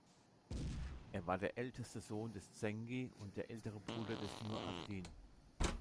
Er war der älteste Sohn des Zengi und der ältere Bruder des Nur ad-Din.